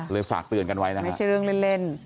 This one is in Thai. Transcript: ฝากเตือนกันไว้นะไม่ใช่เรื่องเล่น